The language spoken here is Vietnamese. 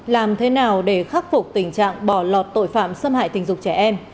làm thế nào để khắc phục tình trạng bỏ lọt tội phạm xâm hại tình dục trẻ em